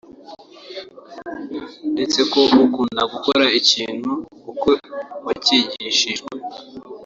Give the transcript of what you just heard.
ndetse ko ukunda gukora ikintu uko wacyigishijwe